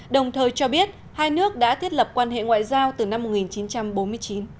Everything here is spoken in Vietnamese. đồng thời cho biết hai nước đã thiết lập quan hệ ngoại giao từ năm một nghìn chín trăm bốn mươi chín